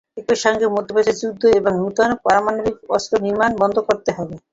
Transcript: একই সঙ্গে মধ্যপ্রাচ্যের যুদ্ধ এবং নতুন পারমাণবিক অস্ত্র নির্মাণ বন্ধ করতে হবে।